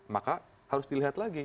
maka harus dilihat lagi